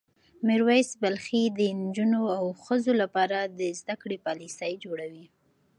میر ویس بلخي د نجونو او ښځو لپاره د زده کړې پالیسۍ جوړوي.